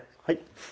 はい。